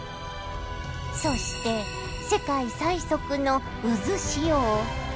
そして世界最速の渦潮。